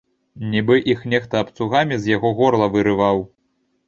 Нібы іх нехта абцугамі з яго горла вырываў.